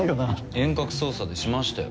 遠隔操作でしましたよ。